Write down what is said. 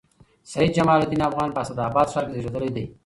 سید جمال الدین افغان په اسعداباد ښار کښي زېږېدلي دئ.